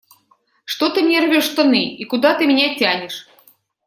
Что ты мне рвешь штаны и куда ты меня тянешь?